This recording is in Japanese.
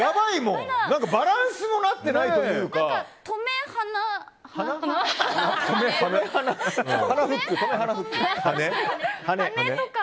何かバランスもなってないというか。